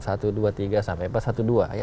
sampai empat satu dua